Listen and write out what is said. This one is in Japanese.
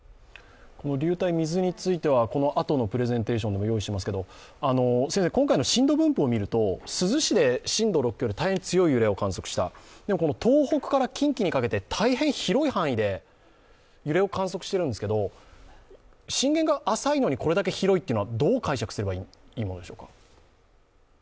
流体、水についてはこのあとのプレゼンテーションでも用意しますけれども、今回の震度分布を見ると珠洲市で震度６強の強い揺れを観測した東北から近畿にかけて、大変広い範囲で揺れを観測しているんですが震源が浅いのに、これだけ広いというのはどう解釈すればいいんでしょうか？